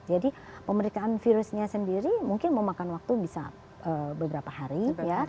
jadi pemeriksaan virusnya sendiri mungkin memakan waktu bisa beberapa hari